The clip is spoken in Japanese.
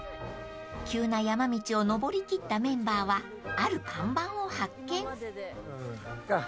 ［急な山道を登りきったメンバーはある看板を発見］